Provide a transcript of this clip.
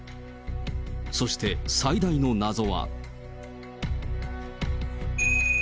そして最大の謎は。